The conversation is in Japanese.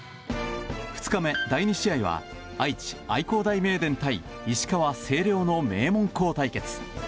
２日目、第２試合は愛知・愛工大名電対石川・星稜の名門校対決。